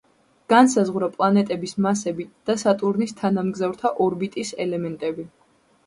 განსაზღვრა პლანეტების მასები და სატურნის თანამგზავრთა ორბიტის ელემენტები.